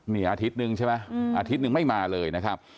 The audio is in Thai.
นี่อาทิตย์นึงใช่ไหมอาทิตย์นึงไม่มาเลยนะครับ